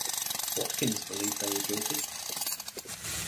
Watkins believed they were guilty.